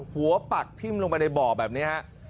ปักทิ้มลงไปในบ่อแบบนี้ฮะ